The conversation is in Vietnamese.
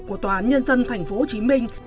của tòa án nhân dân tp hcm